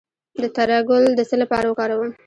د تره ګل د څه لپاره وکاروم؟